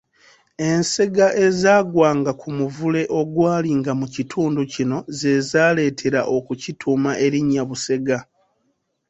Ensega ezaagwanga ku muvule ogwalinga mu kitundu kino zeezaletera okituuma erinnya Busega.